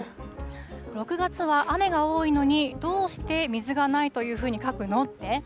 ６月は雨が多いのに、どうして水が無いというふうに書くの？って。